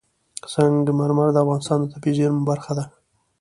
سنگ مرمر د افغانستان د طبیعي زیرمو برخه ده.